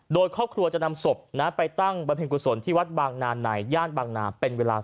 โดยครอบครัวจะนำศพไปตั้งบำเพ็ญกุศลที่วัดบางนานในย่านบางนาเป็นเวลา